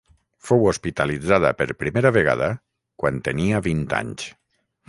Fou hospitalitzada per primera vegada quan tenia vint anys.